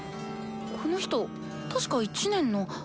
この人確か１年の。